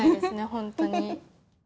本当に。